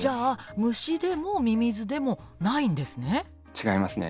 違いますね。